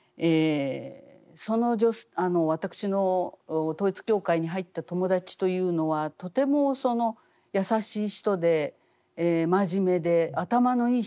その私の統一教会に入った友達というのはとてもやさしい人で真面目で頭のいい人でした。